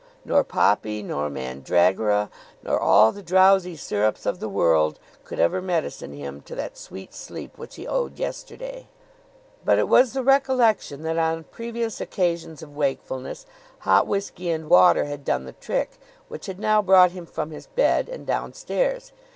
Nor poppy nor mandragora, nor all the drowsy sirups of the world, could ever medicine him to that sweet sleep which he owed yesterday. But it was the recollection that on previous occasions of wakefulness hot whisky and water had done the trick, which had now brought him from his bed and downstairs.